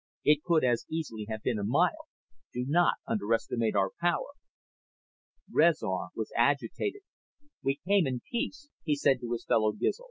It could as easily have been a mile. Do not underestimate our power." Rezar was agitated. "We came in peace," he said to his fellow Gizl.